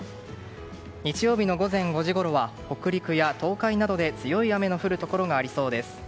日曜日の午前５時ごろは北陸や東海などで強い雨の降るところがありそうです。